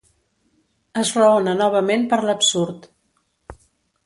Es raona novament per l'absurd.